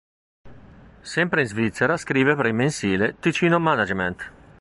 Sempre in Svizzera scrive per il mensile "Ticino Management".